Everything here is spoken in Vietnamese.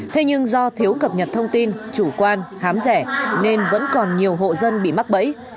thế nhưng do thiếu cập nhật thông tin chủ quan hám rẻ nên vẫn còn nhiều hộ dân bị mắc bẫy